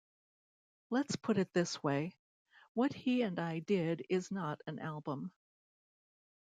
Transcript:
Let's put it this way... what he and I did is not an album.